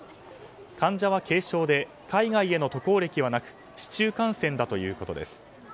患者は軽症で海外への渡航歴はなく市中感染だということです。